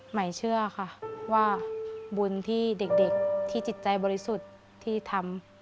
หมายเชื่อค่ะว่าบุญที่เด็กที่จิตใจบริสุทธิ์ที่ทำ